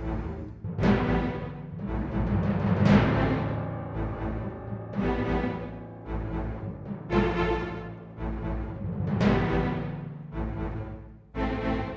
baiknya bersih dan cantik